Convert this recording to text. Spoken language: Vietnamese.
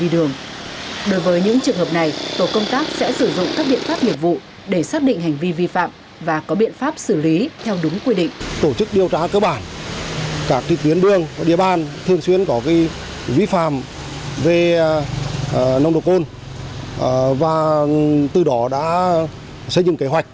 đối với những trường hợp này tổ công tác sẽ sử dụng các biện pháp nhiệm vụ để xác định hành vi vi phạm và có biện pháp xử lý theo đúng quy định